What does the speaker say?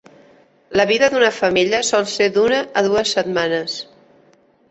La vida d'una femella sol ser d'una o dues setmanes.